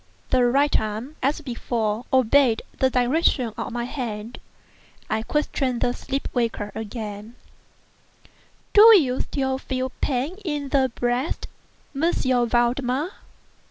The right arm, as before, obeyed the direction of my hand. I questioned the sleep waker again: "Do you still feel pain in the breast, M. Valdemar?"